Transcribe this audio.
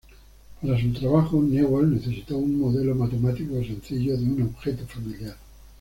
Para su trabajo, Newell necesitó un modelo matemático sencillo de un objeto familiar.